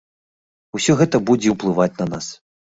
Усё гэта будзе уплываць на нас.